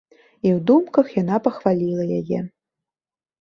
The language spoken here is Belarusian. І ў думках яна пахваліла яе.